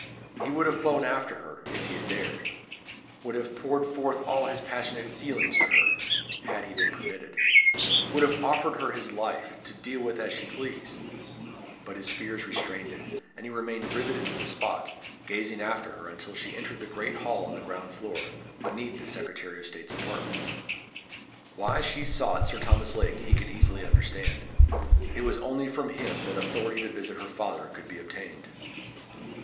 He would have flown after her, if he had dared; would have poured forth all his passionate feelings to her, had he been permitted; would have offered her his life, to deal with as she pleased; but his fears restrained him, and he remained riveted to the spot, gazing after her until she entered the great hall on the ground floor, beneath the Secretary of State's apartments. Why she sought Sir Thomas Lake he could easily understand. It was only from him that authority to visit her father could be obtained.